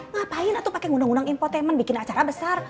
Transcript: ngapain tuh pakai ngundang ngundang impotemen bikin acara besar